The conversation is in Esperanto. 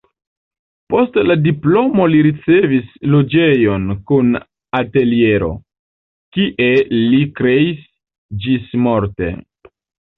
Post la diplomo li ricevis loĝejon kun ateliero, kie li kreis ĝismorte.